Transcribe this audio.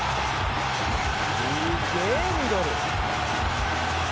「すげえミドル！」